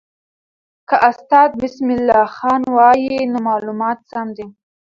که استاد بسم الله خان وایي، نو معلومات سم دي.